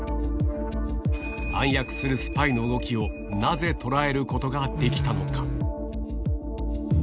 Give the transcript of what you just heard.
暗躍するスパイの動きを、なぜ捉えることができたのか。